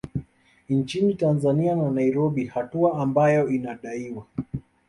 Nchini Tanzania na Nairobi hatua ambayo inadaiwa